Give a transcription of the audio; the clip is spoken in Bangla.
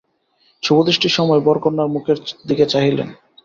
শুভদৃষ্টির সময় বর কন্যার মুখের দিকে চাহিলেন।